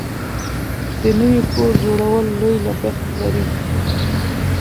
د نوي کور جوړول لوی لګښت لري.